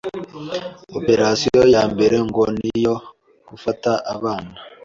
Operasiyo ya mbere ngo ni iyo gufata abana